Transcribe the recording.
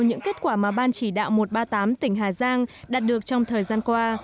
những kết quả mà ban chỉ đạo một trăm ba mươi tám tỉnh hà giang đạt được trong thời gian qua